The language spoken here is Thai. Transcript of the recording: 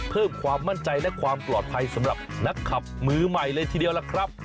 เพิ่มความมั่นใจและความปลอดภัยสำหรับนักขับมือใหม่เลยทีเดียวล่ะครับ